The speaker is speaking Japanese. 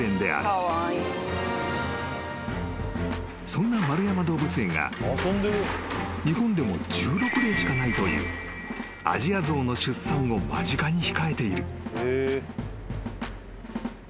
［そんな円山動物園が日本でも１６例しかないというアジアゾウの出産を間近に控えている］